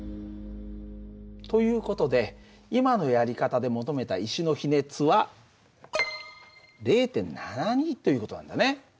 という事で今のやり方で求めた石の比熱は０．７２という事なんだね。